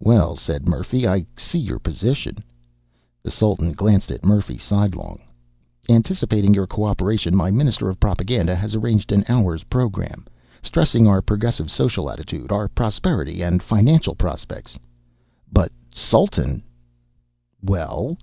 "Well," said Murphy, "I see your position." The Sultan glanced at Murphy sidelong. "Anticipating your cooperation, my Minister of Propaganda has arranged an hour's program, stressing our progressive social attitude, our prosperity and financial prospects ..." "But, Sultan ..." "Well?"